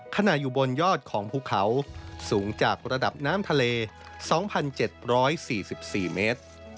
อยู่บนยอดของภูเขาสูงจากระดับน้ำทะเล๒๗๔๔เมตร